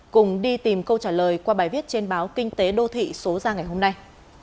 cùng đi tìm câu trả lời qua bài viết trên báo kinh tế đô thị số ra ngày hôm nay